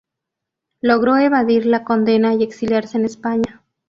Logró evadir la condena y exiliarse en España.